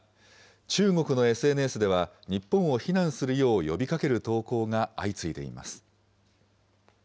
中国のＳＮＳでは、日本を非難するよう呼びかける投稿が相次いでいます。